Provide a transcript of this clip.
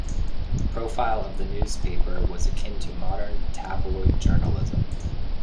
The profile of the newspaper was akin to modern tabloid journalism.